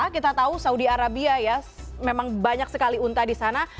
kita tahu saudi arabia ya memang banyak sekali unta di sana